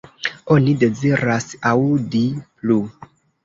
Oni deziras aŭdi plu.